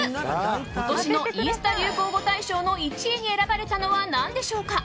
今年のインスタ流行語大賞の１位に選ばれたのは何でしょうか。